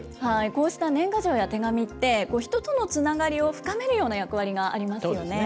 こうした年賀状や手紙って、人とのつながりを深めるような役割がありますよね。